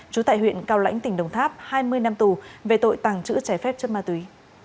trú tại huyện cao lãnh tỉnh đồng tháp hai mươi năm tù về tội tàng trữ trái phép chất ma túy